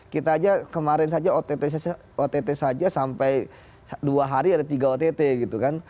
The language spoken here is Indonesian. kita aja kemarin saja ott saja sampai dua hari ada tiga ott gitu kan